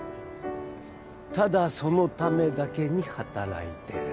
ただそのためだけに働いてる。